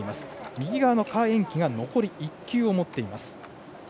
右側の何宛淇が残り１球を持っています。